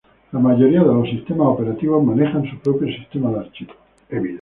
La mayoría de los sistemas operativos manejan su propio sistema de archivos.